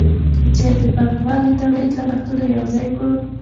که چېرې د پانګوال د تولید لګښتونه یوځای کړو